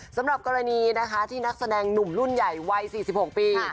สำหรับกรณีนะคะที่นักแสดงหนุ่มรุ่นใหญ่วัย๔๖ปี